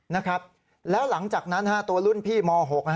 นะครับแล้วหลังจากนั้นตัวรุ่นพี่ม๖